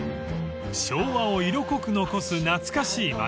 ［昭和を色濃く残す懐かしい街］